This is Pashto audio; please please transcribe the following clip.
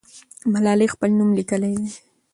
ملالۍ خپل نوم لیکلی دی.